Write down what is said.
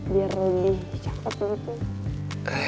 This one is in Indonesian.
biar lebih cakep